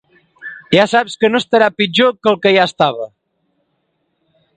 Ja saps que no estarà pitjor que el que ja estava.